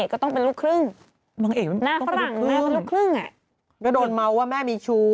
ก็โดนเมาว์ว่าแม่มีชู้